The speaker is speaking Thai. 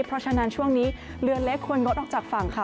เพราะฉะนั้นช่วงนี้เรือเล็กควรงดออกจากฝั่งค่ะ